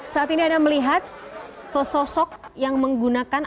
saat ini anda melihat sosok sosok yang menggunakan